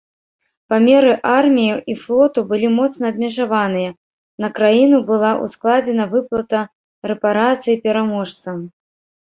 Памеры арміі і флоту былі моцна абмежаваныя, на краіну была ўскладзена выплата рэпарацый пераможцам.